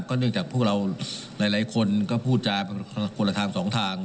ก็เนื่องจากพวกเราหลายคนก็พูดจากคนละทาง๒ทาง